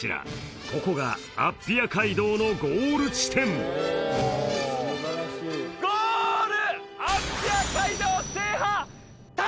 ここがアッピア街道のゴール地点ゴール！